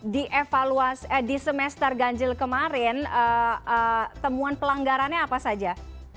di semester ganjil kemarin temuan pelanggarannya apa saja